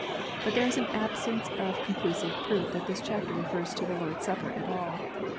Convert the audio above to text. But there is an utter absence of conclusive proof that this chapter refers to the Lord s Supper at all.